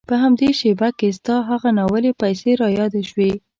په همدې شېبه کې ستا هغه ناولې پيسې را یادې شوې.